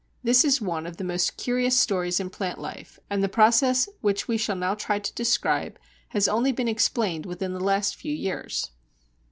This is one of the most curious stories in plant life, and the process which we shall now try to describe has only been explained within the last few years.